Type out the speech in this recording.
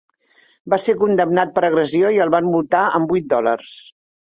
Va ser condemnat per agressió i el van multar amb vuit dòlars.